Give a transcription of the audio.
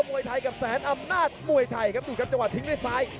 มวยไทยกับแสนอำนาจมวยไทยครับดูครับจังหวะทิ้งด้วยซ้าย